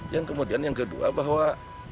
yang kemudian yang kedua bahwa